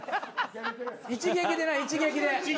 一撃でな一撃で。